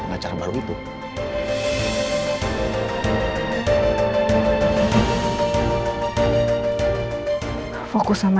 kenapa dihentikan aja